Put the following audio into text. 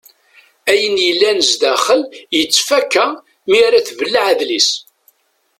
Ayen yellan sdaxel yettfaka mi ara tbelleɛ adlis.